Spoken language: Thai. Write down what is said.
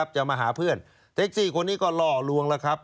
จะมาหาเพื่อนแท็กซี่คนนี้ก็ล่อลวงแล้วครับ